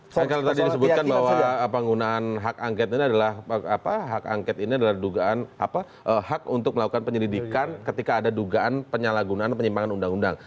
saya kalau tadi disebutkan bahwa penggunaan hak angket ini adalah hak angket ini adalah dugaan hak untuk melakukan penyelidikan ketika ada dugaan penyalahgunaan penyimpangan undang undang